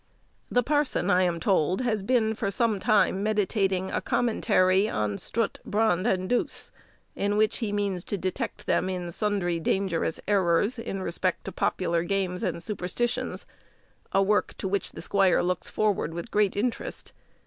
The parson, I am told, has been for some time meditating a commentary on Strutt, Brand, and Douce, in which he means to detect them in sundry dangerous errors in respect to popular games and superstitions; a work to which the squire looks forward with great interest.